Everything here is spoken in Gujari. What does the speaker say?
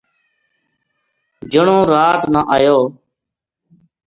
جنو رات نا اَیو